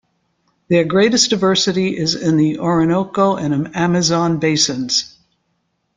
Their greatest diversity is in the Orinoco and Amazon basins.